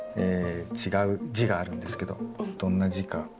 違う字があるんですけどどんな字か。